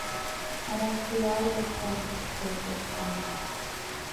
Арахь уи ааугаҵәҟьар ҳәа сшәоит уахьӡаны!